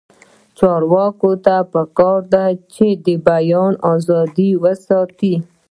چارواکو ته پکار ده چې، بیان ازادي وساتي.